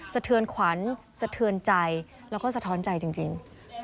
สะเทือนขวัญสะเทือนใจแล้วก็สะท้อนใจจริง